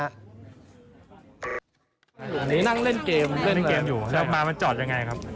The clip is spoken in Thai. อันนี้นั่งเล่นเกมเล่นเกมอยู่แล้วมามันจอดยังไงครับ